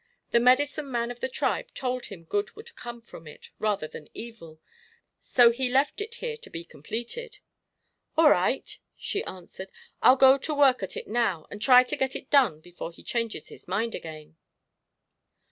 The medicine man of the tribe told him good would come from it, rather than evil, so he left it here to be completed." "All right," she answered; "I'll go to work at it now and try to get it done before he changes his mind again."